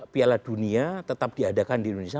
piala dunia tetap diadakan di indonesia